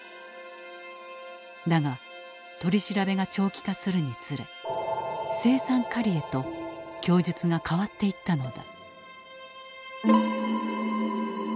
だが取り調べが長期化するにつれ青酸カリへと供述が変わっていったのだ。